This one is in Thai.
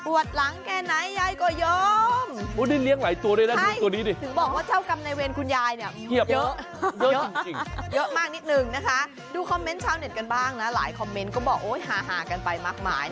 อวดหลังแค่ไหนยายก็ยอม